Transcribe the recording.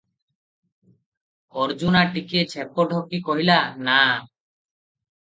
ଅର୍ଜୁନା ଟିକିଏ ଛେପ ଢୋକି କହିଲା, 'ନା' ।